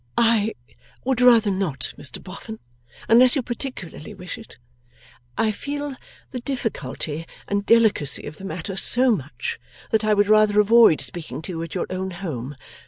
'I would rather not, Mr Boffin, unless you particularly wish it. I feel the difficulty and delicacy of the matter so much that I would rather avoid speaking to you at your own home.